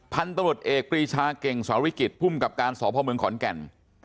พันธนุษย์เอกกรีชาเก่งสวรรค์วิกฤตพุ่มกับการสอบภาวเมืองขอนแก่น